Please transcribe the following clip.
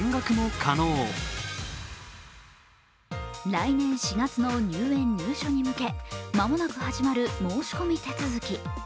来年４月の入園・入所に向け間もなく始まる申し込み手続き。